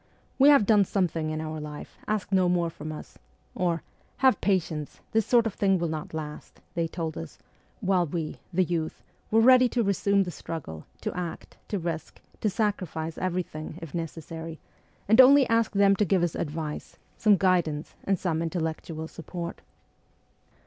' "We have done something in our life : ask no more from us ;' or, ' Have patience : this sort of thing will not last,' they told us, while we, the youth, were ready to resume the struggle, to act, to risk, to sacrifice everything, if necessary, and only asked them to give us advice, some guidance and some intellectual support.